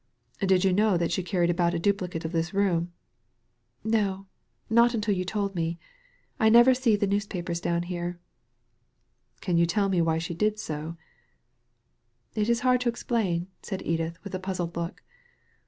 Digitized by Google STRANGE BEHAVIOUR 105 *^ Did you know tiiat she carried about a duplicate of this room ?" ''No, not until you told me. I never see the newspapers down here." ^ Can you tell me why she did so ?'' ''It is hard to explain/' said Edith, with a puzzled look.